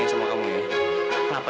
aku tinggal bingung sama kamu deh